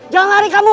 jangan lari kamu